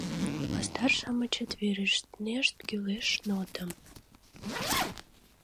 Мастар-шамычет верештнешт кӱлеш нотым.